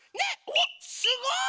おっすごい！